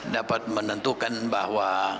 dapat menentukan bahwa